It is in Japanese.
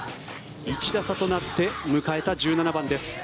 １打差となって迎えた１７番です。